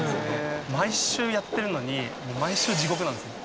毎週やってるのに毎週地獄なんですよ。